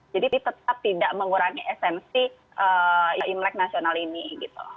jadi tetap tidak mengurangi esensi imlek nasional ini gitu